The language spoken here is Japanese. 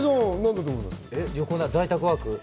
在宅ワーク？